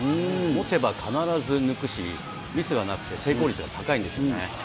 持てば必ず抜くし、ミスがなくて成功率が高いんですね。